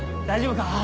大丈夫か？